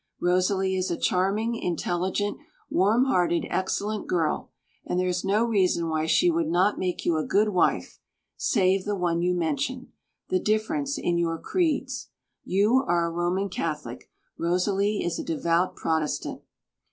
Rosalie is a charming, intelligent, warm hearted, excellent girl, and there is no reason why she would not make you a good wife, save the one you mention the difference in your creeds. You are a Roman Catholic, Rosalie is a devout Protestant.